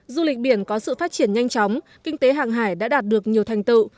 du lịch biển có sự phát triển nhanh chóng kinh tế hàng hải đã đạt được nhiều thành tựu